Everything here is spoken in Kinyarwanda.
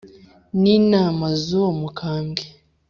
n’inama z’uwo mukambwe.